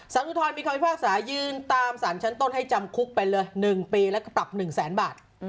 อุทธรณมีคำพิพากษายืนตามสารชั้นต้นให้จำคุกไปเลย๑ปีแล้วก็ปรับ๑แสนบาท